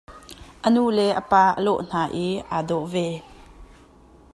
A nu le a pa a lawh hna i aa dawh ve.